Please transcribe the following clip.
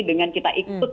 dengan kita ikut